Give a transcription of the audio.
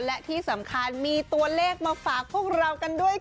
และที่สำคัญมีตัวเลขมาฝากพวกเรากันด้วยค่ะ